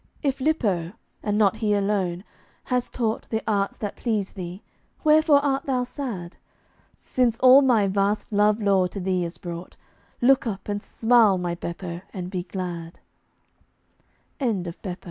If Lippo (and not he alone) has taught The arts that please thee, wherefore art thou sad? Since all my vast love lore to thee is brought, Look up and smile, my Beppo, and be glad. TIRED.